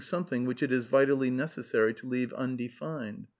something which it is Tital^ necessary to leaYC undefined.